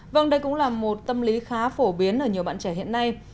vâng đây cũng là một tâm lý khá phổ biến ở nhiều bạn trẻ hiện nay